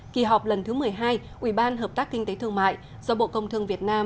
kỳ họp lần thứ một mươi hai ủy ban hợp tác kinh tế thương mại do bộ công thương việt nam